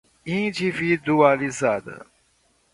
individualizada